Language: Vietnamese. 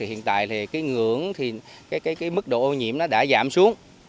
hiện tại thì cái ngưỡng cái mức độ ô nhiễm đã giảm xuống